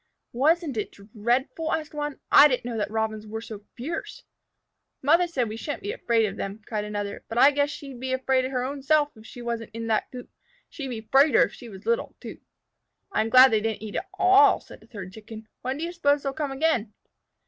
"Wasn't it dreadful?" asked one. "I didn't know that Robins were so fierce." "Mother said that we shouldn't be afraid of them," cried another, "but I guess she'd be afraid her own self if she wasn't in that coop. She'd be 'fraider if she was little, too." "I'm glad they didn't eat it all," said a third Chicken. "When do you suppose they'll come again?"